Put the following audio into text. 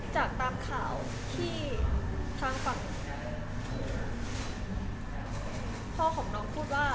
จากตามข่าวที่ทางฝั่งพ่อของน้องพูดว่า